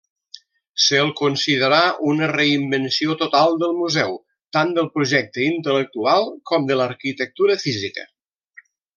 Se'l considerà una reinvenció total del museu, tant del projecte intel·lectual com de l'arquitectura física.